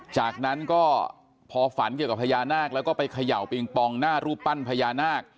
จากนั้นก็พอฝันเกี่ยวกับพญานาคแล้วก็ไปเขย่าปิงปองหน้ารูปปั้นพญานาค